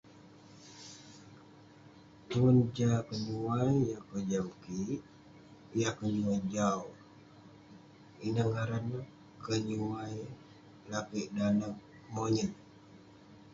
Pun jah kenyuai yah kojam kik, yah kenyuai jau. Ineh ngaran neh lakeik danag monyert.